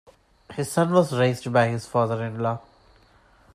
His son was raised by his father-in-law.